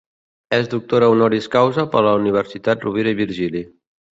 És doctora honoris causa per la Universitat Rovira i Virgili.